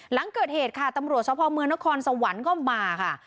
หลังเกิดเหตุค่ะตำรวจสภเมืองนครสวรรค์ก็มาค่ะ